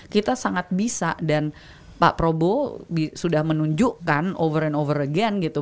kita sangat bisa dan pak probo sudah menunjukkan over and over again gitu